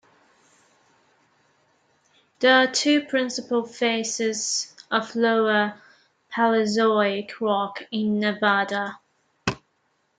There are two principal facies of lower Paleozoic rocks in Nevada.